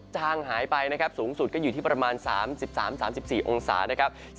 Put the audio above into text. จางหายไปนะครับสูงสุดก็อยู่ที่ประมาณ๓๓๔องศานะครับ